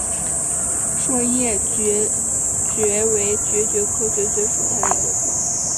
栎叶槲蕨为槲蕨科槲蕨属下的一个种。